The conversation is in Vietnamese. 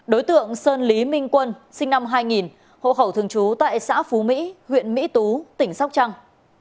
đối tượng sơn lý minh quân sinh năm hai nghìn hộ khẩu thường trú tại xã phú mỹ huyện mỹ tú tỉnh sóc trăng